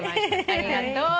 ありがとう。